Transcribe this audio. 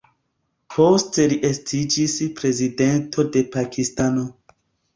Poste li estiĝis Prezidento de Pakistano.